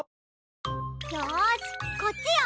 よしこっちよ！